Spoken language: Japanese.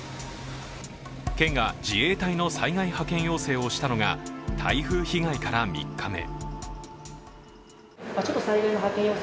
県が自衛隊の災害派遣要請をしたのが台風被害から３日目。